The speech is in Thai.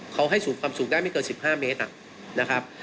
เขาให้สูงความสูงได้ไม่เกิน๑๕เมตรนะครับ